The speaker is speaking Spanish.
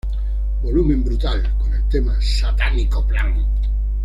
Volumen Brutal" con el tema "Satánico plan".